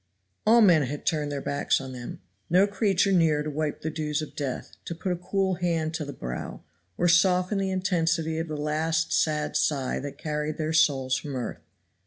All men had turned their backs on them, no creature near to wipe the dews of death, to put a cool hand to the brow, or soften the intensity of the last sad sigh that carried their souls from earth.